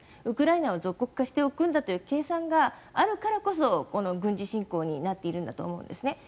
ウクライナを属国化しておくんだという計算があるからこそこの軍事侵攻になっているんだと思うんですね。